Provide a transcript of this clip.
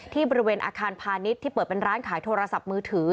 บริเวณอาคารพาณิชย์ที่เปิดเป็นร้านขายโทรศัพท์มือถือ